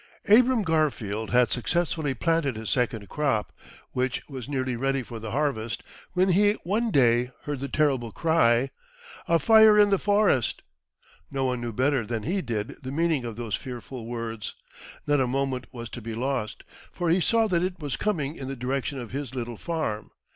Abram Garfield had successfully planted his second crop, which was nearly ready for the harvest, when he one day heard the terrible cry, "A fire in the forest." No one knew better than he did the meaning of those fearful words. Not a moment was to be lost, for he saw that it was coming in the direction of his little farm.